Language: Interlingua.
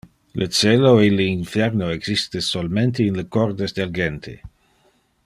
Le celo e le inferno existe solmente in le cordes del gente.